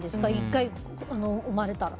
１回生まれたら。